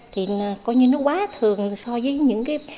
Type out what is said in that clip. thì coi như nó quá thường so với những cái